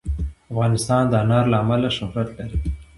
افغانستان د انار له امله شهرت لري.